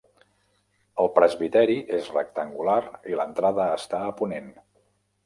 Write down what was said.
El presbiteri és rectangular i l'entrada està a ponent.